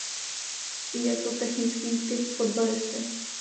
Je to technický typ fotbalisty.